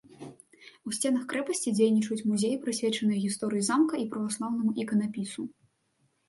У сценах крэпасці дзейнічаюць музеі, прысвечаныя гісторыі замка і праваслаўнаму іканапісу.